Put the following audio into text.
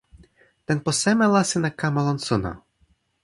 tenpo seme la sina kama lon suno?